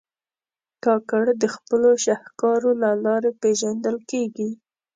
کاکړ د خپلو شهکارو له لارې پېژندل کېږي.